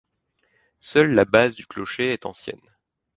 Seule la base du clocher est ancienne.